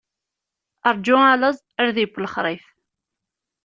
Ṛǧu a laẓ, ar ad yeww lexṛif!